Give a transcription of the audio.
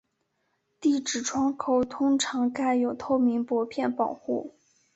地址窗口通常盖有透明薄片保护。